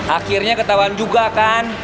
akhirnya ketahuan juga kan